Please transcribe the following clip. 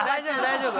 大丈夫？